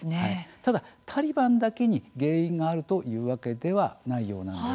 ただ、タリバンだけに原因があるわけではないようです。